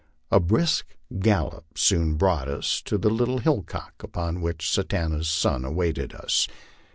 A brisk gallop soon brought us to the little hillock upon which Satanta's son awaited us.